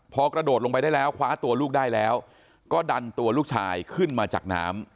พอกระโดดลงไปได้แล้วคว้าตัวลูกได้แล้วก็ดันตัวลูกชายขึ้นมาจากน้ำ